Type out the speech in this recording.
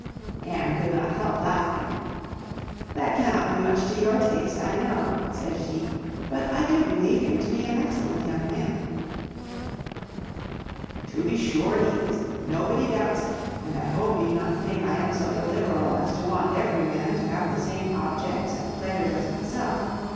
Anne could not help laughing. "That cannot be much to your taste, I know," said she; "but I do believe him to be an excellent young man." "To be sure he is. Nobody doubts it; and I hope you do not think I am so illiberal as to want every man to have the same objects and pleasures as myself.